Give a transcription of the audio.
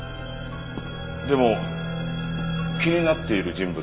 でも気になっている人物はいます。